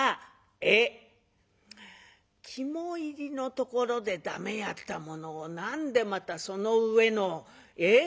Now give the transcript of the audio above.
「えっ？肝煎りのところで駄目やったものを何でまたその上のえっ？